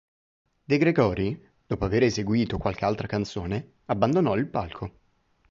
De Gregori, dopo avere eseguito qualche altra canzone, abbandonò il palco.